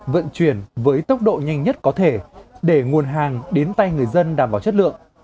vận chuyển với tốc độ nhanh nhất có thể để nguồn hàng đến tay người dân đảm bảo chất lượng